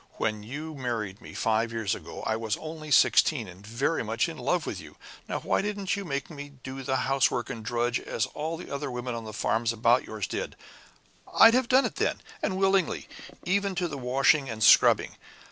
When you married me, five years ago, I was only sixteen, and very much in love with you. Now, why didn't you make me do the housework and drudge as all the other women on the farms about yours did? I'd have done it then, and willingly, even to the washing and scrubbing.